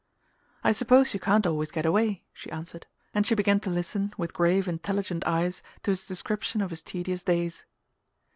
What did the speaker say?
"I suppose you can't always get away," she answered; and she began to listen, with grave intelligent eyes, to his description of his tedious days.